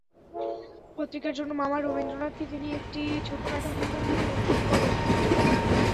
পত্রিকার জন্য মামা রবীন্দ্রনাথকে তিনি একটি ছোট নাটক লিখে দিতে অনুরোধ করেন।